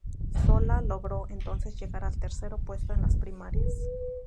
Solá logró entonces llegar al tercero puesto en las primarias.